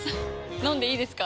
飲んでいいですか？